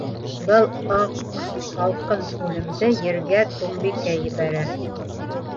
Был аҡ-һалҡын үлемде Ергә Туңбикә ебәрә!